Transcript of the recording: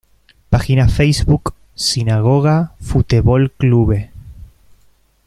Página Facebook: "Sinagoga Futebol Clube"